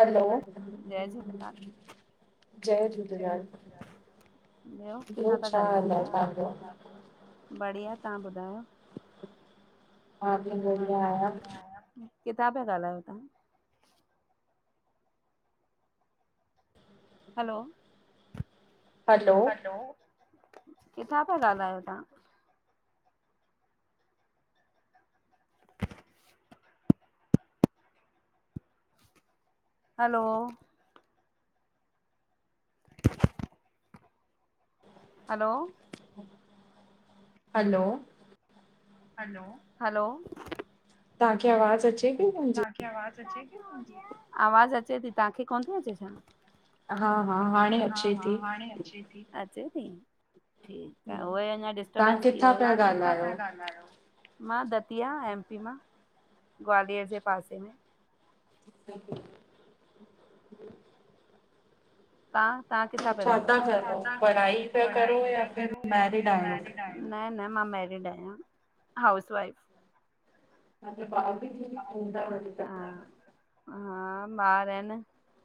Hello जय झूलेलाल ॿियो किथां था ॻाल्हायो छा बढ़िया तव्हां ॿुधायो मां बि ॿढीया आयां। किथां पया ॻालायो तां हलो हलो किथां पया ॻाल्हायो तव्हां? हेल्लो [unintelligible] हेल्लो हेल्लो हेल्लो तव्हांखे आवाज़ अचे पइ मुहिंजी? तव्हांखे आवाज़ अचे पइ मुहिंजी आवाज़ अचे थी तव्हांखे कोन थी अचे छा? हा हा हाणे अचे थी। अचे थी। ठीकु आहे उहई अञा डिस्टबंस थी वियो हो तव्हां किथां पया ॻाल्हयो? मां दतिया एमपी मां ग्वालियर जे पासे में ठ [unintelligible] तां तंव्हा किथां पया ॻाल्हायो, छाता कयूं पढ़ाई पया कयूं यां फिर मेरिड़ आयो? न न मां मैरिड आहियां हाउस वाइफ म भाव जी च [unintelligible] हा हा ॿार आहिनि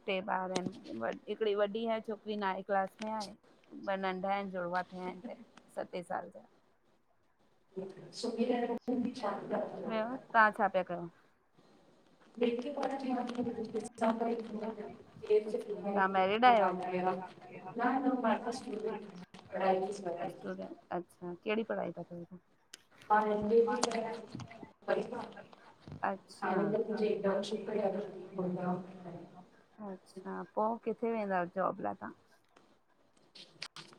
टे ॿार आहिनि हिकिड़ी वॾी आहे छोकरी हिय नाए क्लास में आहे ॿ नंढा आहिनि जुड़वा थिया आहिनि त सते साल जा अन [unintelligible] तव्हां छा पया कयो? वक [unintelligible] [unintelligible] न न मार पास [unintelligible] ्टूट अछा कहिड़ी पढ़ाई था [unintelligible] प बि परार [unintelligible] अच्छा अच्छा पोइ किथे वेंदाव जॉब लाइ तव्हां? [unintelligible]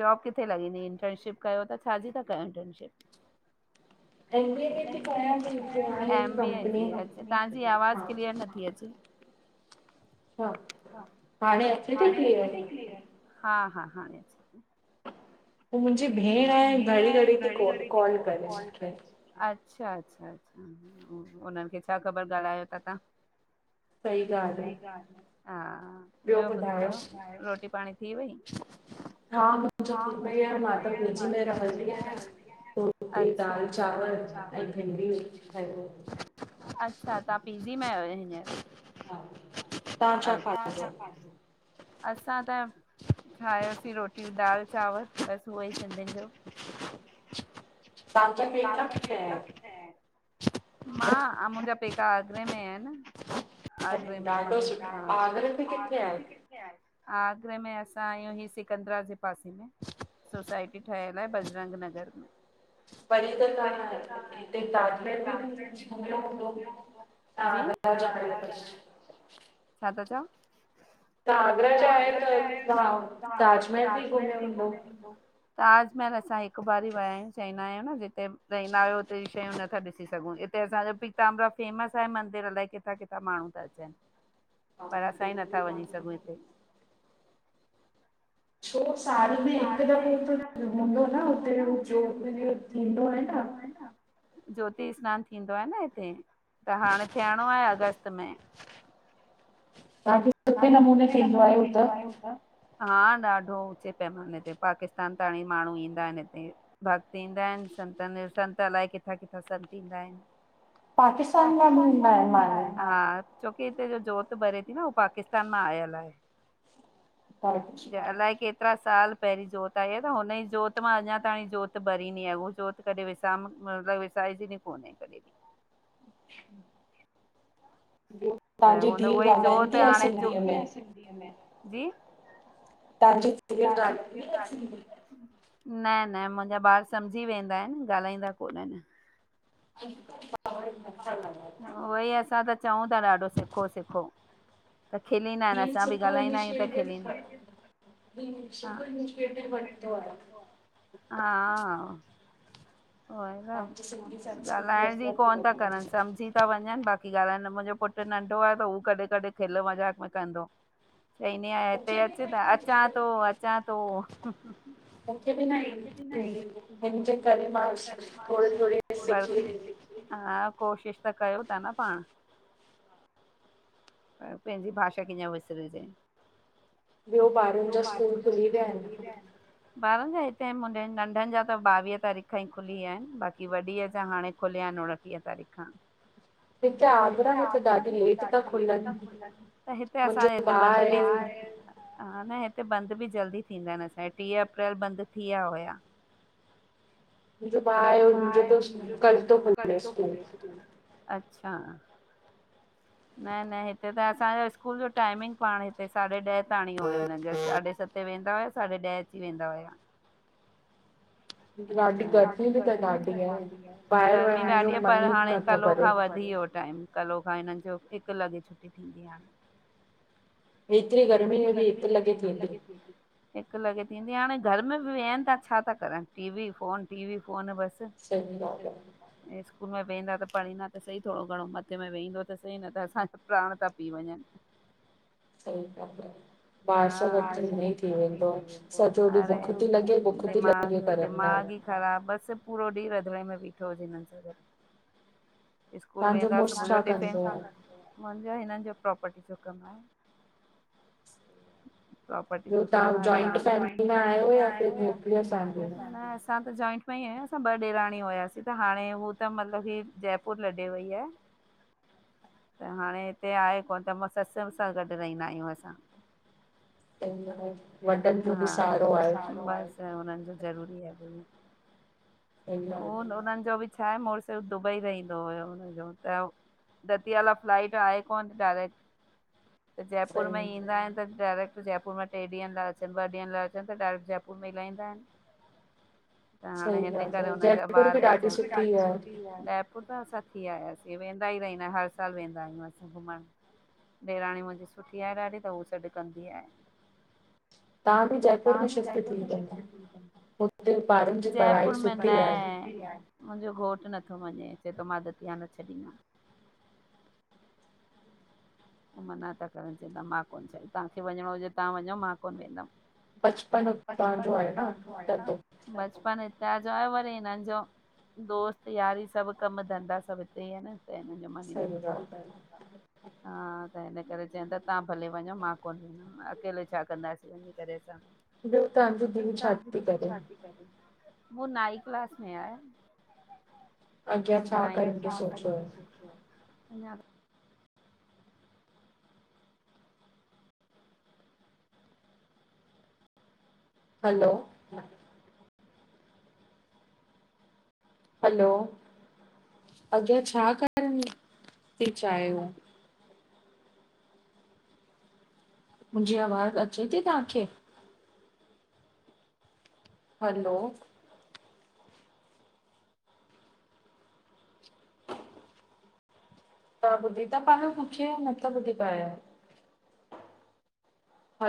जॉब किथे लॻंदी इंटर्नशिप कयो त छाजी था कयो इंटर्नशिप? [unintelligible] कपंनी हा अच्छा हाणे अचे ति क्लियर? हा हा हाणे अचेदीं पोइ मुंहिंजी भेण आहे घड़ी घड़ी थी कॉल करे मूंखे अच्छा अच्छा अच्छा हुनननि खे छा ख़बर ॻाल्हायो था तव्हां सही ॻाल सही ॻाल्हि हा ॿियो ॿुधायो रोटी पाणी थी वई? हा मुंहिंज थी पई या मां त पीजी में रहंदी आहियां र दाल चांवर ऐं भिंडी ठाहिंदाइन अच्छा तव्हां पी जी में आहियो हींअर अॼु तव्हां छा खादो असां त ठाहियोसीं रोटी दाल चांवर बसि उहो ई सिंधियुनि जो ताकत ही कान इंदे [unintelligible] मां मुंहिंजा पेका आगरे में आहिनि। आगरे में। हा, आगरे में किथे। किथे आहे। आगरे में असां आहियूं ही सिकंदरा जे पासे में। सोसाइटी ठहियल आहे बजरंग नगर में। [inaudible] परे त कान आहे। हिते [unintelligible] [unintelligible] छा था चऊं। तव्हां आगरा जा आहियो। त तव्हा ताजमहल बि घुमियो हूंदो। ताज महल असां हिकु बार ही विया आहियूं। चवंदा आयूं न जिथे रहंदा आहियूं हुते जी शयूं नथा ॾिसी सघूं। हिते असांजा पिताम्बरा फेमस आहे मंदरु अलाए किथां किथां माण्हू था अचनि। पर असां ई नथा वञी सघूं हिते। छो साल में हिकु दफ़ो त हूंदो न हुते ज्योति जो थींदो आहे न। ज्योति स्नानु थींदो आहे न हिते त हाणे थियणो आहे अगस्त में। तव्हां [unintelligible] [unintelligible] सुठे नमूने थींदो आहे हू त। हा ॾाढो बच्चे पैमाने ते पाकिस्तान सां हाणे माण्हू ईंदा आहिनि हिते। भक्त ईंदा आहिनि। संत, संत अलाए किथां-किथां संत ईंदा आहिनि। पाकिस्तान जा माण्हू ईंदा आहे। हा छोकी हिते जो जोत बरे थी न उहो पाकिस्तान मां आयल आहे। जी। अलाए केतिरे। केतिरा साल पहिरीं जोत आई आहे त हुनजी जोति मां अञा ताईं जोति बरींदी आहे हू जोति। कॾहिं वैसाए, वैसाए जी बि कोन। [inaudible] ॿयो तव्हांजी धीअ ॻाल्हाईंदी आहे सिंधीअ में। जी तव्हांजो एक्सपीरियंस ॾाॾो [unintelligible] न न मुंहिंजा ॿार समझी वेंदा आहिनि। ॻाल्हाईंदा कोन आहिनि। [unintelligible] उहो ई असां त चऊं था ॾाढो सिखो सिखो। त खिलींदा आहिनि। असां बि ॻाल्हाईंदा आहियूं त खिलींदा हा हा ॻाल्हाइण जी कोन था करनि। समझी त वञनि। बाक़ी ॻाल्हाइनि मुंहिंजो पुटु नंढो आहे त हू कॾहिं कॾहिं खिल मज़ाक में कंदो। चईंदी आहिया, हिते अच त अचां थो अचां थो। तखे बि न [unintelligible] मूंखे बि न ईंदी। [unintelligible] हा कोशिश त कयो था न पाण। पर पंहिंजी भाषा कीअं विसरजे। ॿियो ॿारनि जा स्कूल खुली विया हिनि? ॿारनि जा हितेे मुंजे नंढनि जा त ॿावीह तारीख़ खां ई खुली विया हिनि, बाक़ी वॾीअ जा हाणे खुलिया हिनि उणं टींअ तारीक खां। हिते आगरा में त ॾाढी लेट त खुलन। त हिते असांजे हिते बंदि बि ज हा, न हिते बंदि बि जल्दी थींदा हिनि। असांजे ट्रींह अप्रैल बंदि थी विया हुया। मुंजो भा यो और मुंजो त कल तो खुले स्कूल। अच्छा। [inaudible] न न हिते त असांजो स्कूल जो टाइमिंग पांण हिते साढे ॾहें ताणीं हुयो, हिनन जो साढे सत तें वेंदा हुया साढे ॾहे अची वेंदा हुया। गर्मी ॾाढी आहे पर हाणे कलो खां वधी वियो टाइम। कलो खां हिननि जो हिकु लॻे छुट्टी थींदी हाणें। हेतिरी गर्मी में बि हिकु लॻे थींदी। हिकु लॻे थींदी हाणे घर में बि विहनि ता छा ता करनि T V phone T V phone बसि। सही ॻाल्हि आ ऐं स्कूल में वेंदा त पढ़ींदा त सही थोड़ो घणों मथे में वेहींदो त सही न त असांजा प्राण ता पी वंञंनि। सही ॻाल्हि आ। ॿार सां गॾु त ईअं ई थी वेंदो आ सॼो ॾींहुं बुख ती लॻे बुख ती लॻे करंदा इनि ख़राब, बसि पूरो ॾींहुं रधिणे में बीठो हुजि हिननि सां गॾु। स्कूल वेंदा सुबु जो टिफिन, मुंजो हिननि जो प्रोपर्टी जो कमु आहे। पोपर्टी जो कम आहे त उन असां त जॉइंट में ई आहियूं असां ॿ ॾेराणियुं हुयासीं त हाणे हू त मतलबु ही जयपुर लॾे वई आहे। [inaudible] त हाणे हिते आहे कोन्ह त मां ससु मु सां गॾु रहिंदा आहियूं असां। हा वॾनि जो बि सहारो आहे। त हुननि जो ज़रूरी आहे भई, हो उननि जो बि छा हे मुड़ुसु दुबई रहींदो हुयो हुनजो त दतिया लाए फ्लाइट आहे कोन डायरेक्ट त जयपुर में ईंदा इनि त डायरेक्ट जयपुर में ट्रे ॾींहंनि लाए अचनि ॿ ॾींहंनि लाए अचनि त डायरेक्ट जयपुर ई लहींदा इनि। त हाणें हिन करे हुननि जा ॿार ॿच्चा, जयपुर त स थी आयासीं, वेंदा ई रहींदा यूं हर साल वेंदा आहियूं असां घुमण। ॾेराणी मुंजी सुठी आहे ॾाढी त हू सॾु कंदी आहे। तां बि जयपुर में शिफ्ट थी वंञों, हुते ॿारन जी पढ़ाई सुठी आहे। मुंजो घोटु नथो मंञें, चए तो मां दतिया न छॾींदमि। हो मना ता करनि, चवंता मां कोन छॾी तव्हांखे वंञिंणो हुजे तव्हां वञों मां कोन वेंदमि। बचपन हुतां जो आहे न तॾहि। बचपन हिता जो आहे, वरीे हिननि जो दोस्त, यारी सभु कम धंधा सभु हिते ई आ न। त हिननि जो मन ई नथो करे। हा त हिन करे चवनि ता तहां भले वंञो मां कोन वेदुम। अकेलो छा कंदासीं वञीं करे असां। ॿियो, तहांजी धीउ छा ती करे? हु नाई क्लास में आहे। अॻियां छा करण जो सोचियो? अंञा हैलो हलो, अॻियां छा करण थी चाहियो? मुंहिंजी आवाज़ अचे थी तहांखे? हलो त ॿुधी ता पायो मुुखे या न ता ॿुधी पायो?